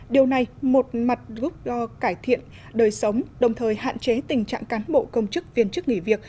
điều này một mặt giúp cải thiện đời sống đồng thời hạn chế tình trạng cán bộ công chức viên chức nghỉ việc